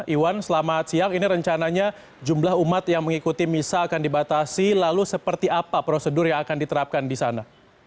iwan selamat siang ini rencananya jumlah umat yang mengikuti misa akan dibatasi lalu seperti apa prosedur yang akan diterapkan di sana